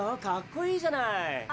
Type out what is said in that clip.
かっこいいじゃない！